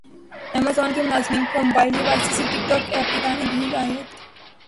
Amazon کی ملازمین کو موبائل ڈیوائسز سے ٹک ٹاک ایپ ہٹانے کی ہدایت